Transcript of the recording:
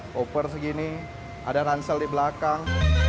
koper segini ada ransel di belakang